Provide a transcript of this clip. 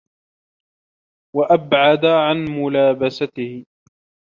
وَأَبْعَدَ عَنْ مُلَابَسَتِهِ